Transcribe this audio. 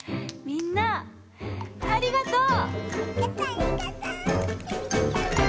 みんなありがとう！